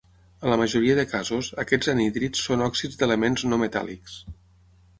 A la majoria de casos, aquests anhídrids són òxids d'elements no metàl·lics.